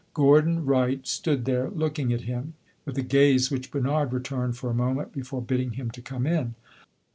Gordon Wright stood there, looking at him with a gaze which Bernard returned for a moment before bidding him to come in.